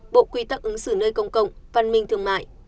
bộ quy tắc ứng xử nơi công cộng văn minh thương mại